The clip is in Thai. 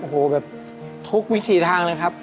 โหแบบทุกวิจิทางเลยครับ